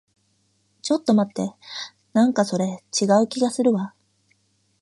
ちょっと待って。なんかそれ、違う気がするわ。